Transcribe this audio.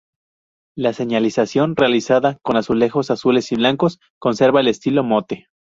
La señalización, realizada con azulejos azules y blancos, conserva el "estilo Motte".